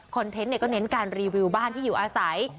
เทนต์ก็เน้นการรีวิวบ้านที่อยู่อาศัย